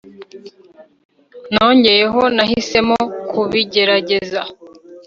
nongeyeho, nahisemo kubigerageza